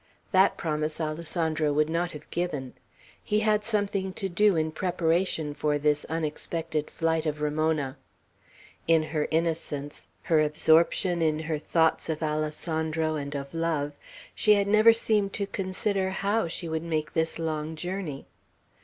That promise Alessandro would not have given. He had something to do in preparation for this unexpected flight of Ramona. In her innocence, her absorption in her thoughts of Alessandro and of love, she had never seemed to consider how she would make this long journey.